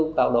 là rất vô lý